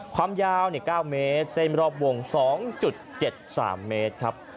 ความยาวเนี่ยเก้าเมตรเส้นรอบวงสองจุดเจ็ดสามเมตรครับ